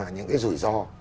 những cái rủi ro